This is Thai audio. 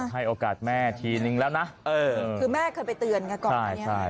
ให้โอกาสแม่ทีแม่เคยไปเตือนกันก่อนอย่างเนี้ย